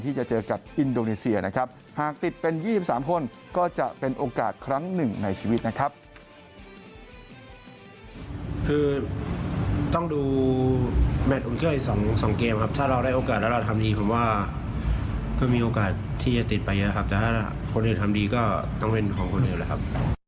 แมทอุ่นเครื่องอีกสองสองเกมครับถ้าเราได้โอกาสแล้วเราทำดีผมว่าก็มีโอกาสที่จะติดไปเยอะครับแต่ถ้าคนอื่นทำดีก็ต้องเป็นของคนอื่นแหละครับ